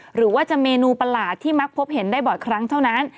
หรือว่าจะเมนูประหลาดที่มักพบเห็นได้บ่อยครั้งเท่านั้น